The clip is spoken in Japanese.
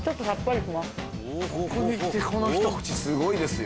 ここにきてこのひと口すごいですよ。